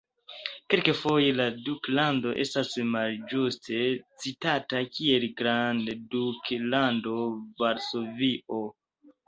Kelkfoje la duklando estas malĝuste citata kiel "grandduklando Varsovio".